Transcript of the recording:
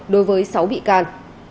đối với sáu bị can